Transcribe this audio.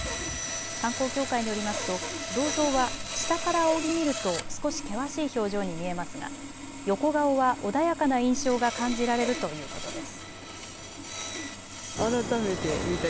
観光協会によりますと銅像は下から仰ぎ見ると少し険しい表情に見えますが横顔は穏やかな印象が感じられるということです。